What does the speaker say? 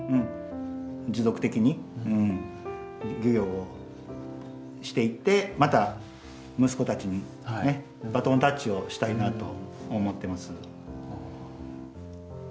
持続的に漁業をしていってまた息子たちにバトンタッチをしたいなと思ってます。